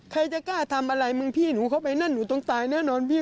ใครจะกล้าทำอะไรมึงพี่หนูเข้าไปนั่นหนูต้องตายแน่นอนพี่